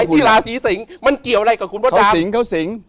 อ่ะราศรีสิงฯมันเกี่ยวอะไรกับคุณพ่อต่าง